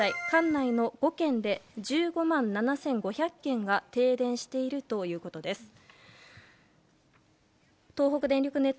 管内の５県で１５万７５００軒が停電しているということです。